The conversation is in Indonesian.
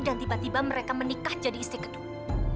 dan tiba tiba mereka menikah jadi isi kedua